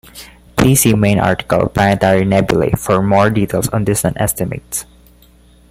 Please see main article, Planetary nebulae, for more details on distance estimates.